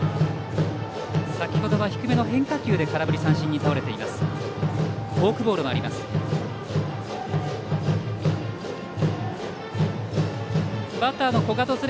先ほどは低めの変化球で空振り三振に倒れています。